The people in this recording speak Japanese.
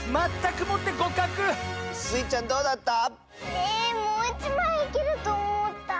えもういちまいいけるとおもった。